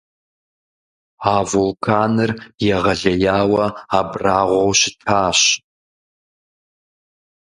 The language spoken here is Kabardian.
А вулканыр егъэлеяуэ абрагъуэу щытащ.